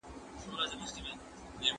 بدن مو ستاسو د ژوند پانګه ده.